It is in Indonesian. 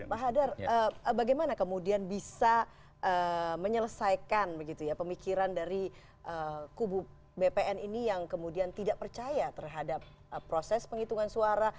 pak hadar bagaimana kemudian bisa menyelesaikan pemikiran dari kubu bpn ini yang kemudian tidak percaya terhadap proses penghitungan suara